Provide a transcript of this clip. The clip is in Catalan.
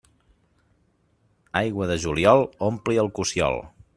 Aigua de juliol ompli el cossiol.